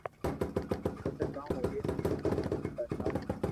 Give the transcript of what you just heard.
پسي ڪاوُ ھوئي بس ڪر ٽار